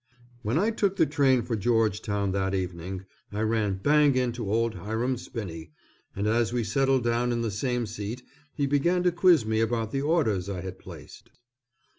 When I took the train for Georgetown that evening, I ran bang into old Hiram Spinney and as we settled down in the same seat, he began to quiz me about the orders I had placed.